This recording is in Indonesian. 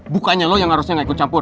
bukannya lo yang harusnya gak ikut campur